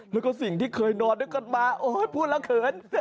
แล้วก็สิ่งที่เคยนอนด้วยกันมาโอ้ยพูดแล้วเขิน